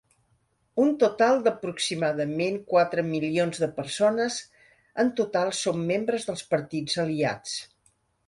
Un total d'aproximadament quatre milions de persones en total són membres dels partits aliats.